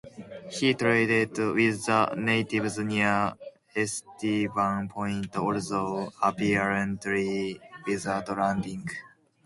He traded with the natives near Estevan Point, although apparently without landing.